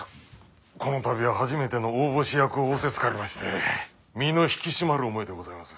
この度は初めての大星役を仰せつかりまして身の引き締まる思いでございます。